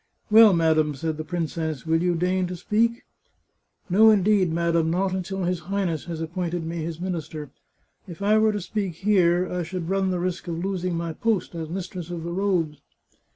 " Well, madam," said the princess, " will you deign to speak ?"" No, indeed, madam ; not until his Highness has ap pointed me his minister. If I were to speak here I should run the risk of losing my post as mistress of the robes."